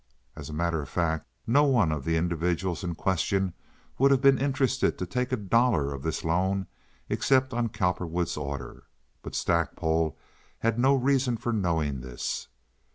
(As a matter of fact, no one of the individuals in question would have been interested to take a dollar of this loan except on Cowperwood's order, but Stackpole had no reason for knowing this.